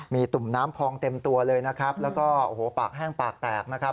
มีตุ่มน้ำพองเต็มตัวเลยนะครับแล้วก็โอ้โหปากแห้งปากแตกนะครับ